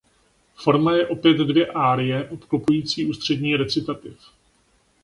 Forma je opět dvě árie obklopující ústřední recitativ.